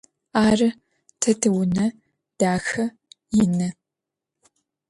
Arı, te tiune daxe, yinı.